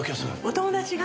お友達が？